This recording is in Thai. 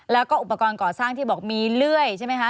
แล้วก็อุปกรณ์ก่อสร้างที่บอกมีเลื่อยใช่ไหมคะ